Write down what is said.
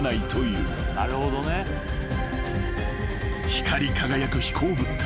［光り輝く飛行物体］